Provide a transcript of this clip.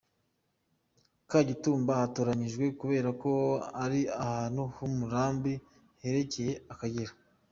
Kagitumba yatoranyijwe kubera ko ari ahantu h’umurambi hegereye Akagera.